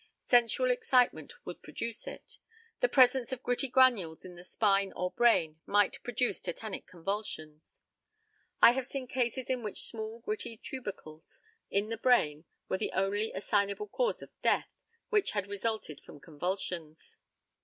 Sensual excitement would produce it. The presence of gritty granules in the spine or brain might produce tetanic convulsions. I have seen cases in which small gritty tubercles in the brain were the only assignable cause of death, which had resulted from convulsions.